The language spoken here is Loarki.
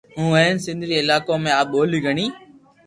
ھون ھين سند ري علاقون ۾ آ ٻولي گھڻي